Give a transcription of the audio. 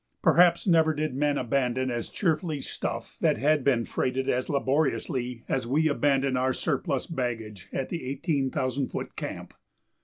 Perhaps never did men abandon as cheerfully stuff that had been freighted as laboriously as we abandoned our surplus baggage at the eighteen thousand foot camp.